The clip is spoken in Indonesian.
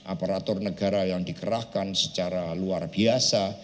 aparatur negara yang dikerahkan secara luar biasa